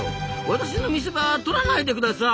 私の見せ場とらないでください！